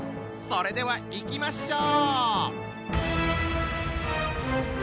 それではいきましょう！